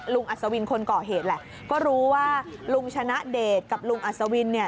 อัศวินคนก่อเหตุแหละก็รู้ว่าลุงชนะเดชกับลุงอัศวินเนี่ย